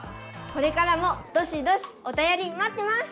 これからもどしどしおたよりまってます！